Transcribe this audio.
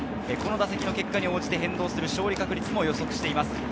この打席の結果に応じて変動する勝利確率も予測しています。